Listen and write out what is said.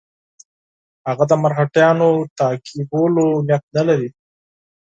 هغه د مرهټیانو تعقیبولو نیت نه لري.